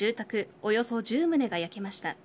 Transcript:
およそ１０棟が焼けました。